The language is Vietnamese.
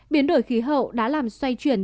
biến đổi khí hậu đã làm xoay chuyển